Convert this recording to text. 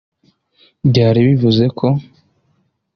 Byari bivuze ko